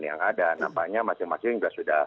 yang ada nampaknya masing masing juga sudah